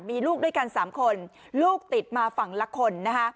มีลูกด้วยกัน๓คนลูกติดมาฝั่งละคนนะคะ